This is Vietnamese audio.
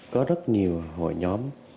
có rất nhiều hội nhóm